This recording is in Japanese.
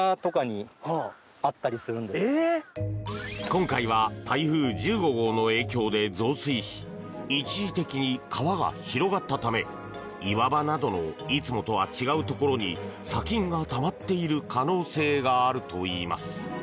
今回は台風１５号の影響で増水し一時的に川が広がったため岩場などのいつもとは違うところに砂金がたまっている可能性があるといいます。